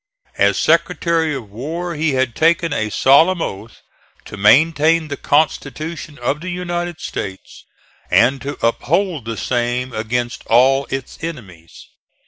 As Secretary of War he had taken a solemn oath to maintain the Constitution of the United States and to uphold the same against all its enemies.